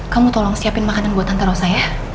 kamu tolong siapin makanan buat tante rosa ya